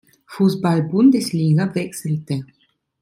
Fußball-Bundesliga wechselte.